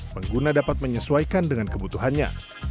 pengguna dapat menyesuaikan dengan kebutuhannya